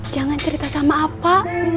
jangan cerita sama apa